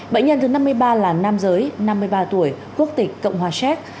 bệnh nhân thứ năm mươi ba là nam giới năm mươi ba tuổi quốc tịch cộng hòa séc